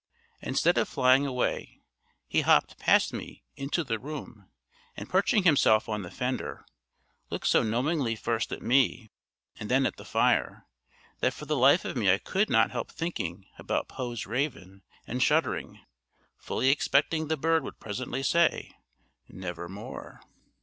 Instead of flying away, he hopped past me into the room, and perching himself on the fender, looked so knowingly first at me and then at the fire, that for the life of me I could not help thinking about Poe's raven and shuddering, fully expecting the bird would presently say, "Nevermore."